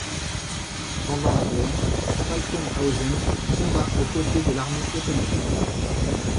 Pendant la guerre, Falkenhausen combat au côté de l’armée ottomane.